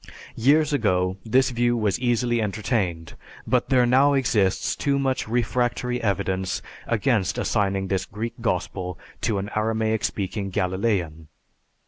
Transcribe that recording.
Years ago this view was easily entertained, but there now exists too much refractory evidence against assigning this Greek Gospel to an Aramaic speaking Galilean.